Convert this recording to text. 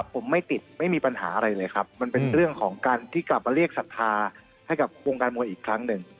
ผมไม่ติดไม่มีปัญหาอะไรเลยครับมันเป็นเรื่องของการที่กลับมาเรียกศรัทธาให้กับวงการมวยอีกครั้งหนึ่ง